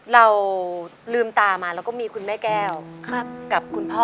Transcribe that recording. เราลืมตามาแล้วก็มีคุณแม่แก้วกับคุณพ่อ